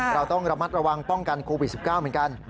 เราต้องระมัดระวังป้องกันโควิด๑๙เหมือนกัน